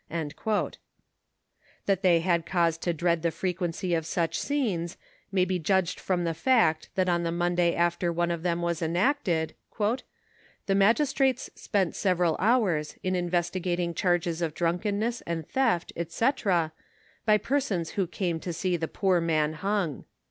That they had cause to dread the frequency of such scenes, may be judged from the fact that on the Monday after one of them was enacted, "the magistrates spent several hours in in vestigating charges of drunkenness and theft, &c., by persons who came « to see the poor man hung.'